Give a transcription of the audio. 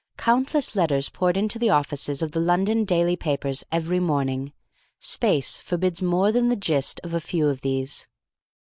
Countless letters poured into the offices of the London daily papers every morning. Space forbids more than the gist of a few of these.